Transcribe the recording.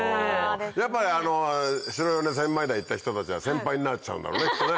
やっぱり白米千枚田行った人たちは先輩になっちゃうんだね